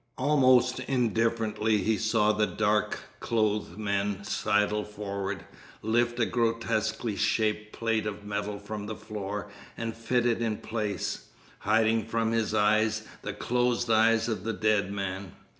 Almost indifferently he saw the dark clothed men sidle forward, lift a grotesquely shaped plate of metal from the floor, and fit it in place, hiding from his eyes the closed eyes of the dead man.